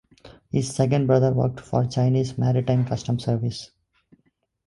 His second brother worked for Chinese Maritime Customs Service.